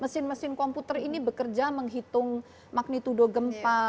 mesin mesin komputer ini bekerja menghitung magnitudo gempa